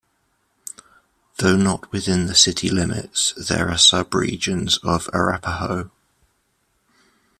Though not within the city limits, there are sub-regions of Arapahoe.